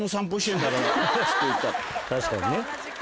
確かにね。